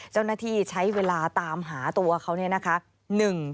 เจ้าหน้าที่ใช้เวลาตามหาตัวนี่นะคะ๑ชั่วโมงด้วยกัน